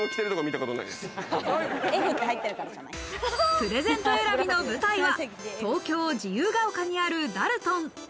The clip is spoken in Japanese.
プレゼント選びの舞台は、東京・自由が丘にあるダルトン。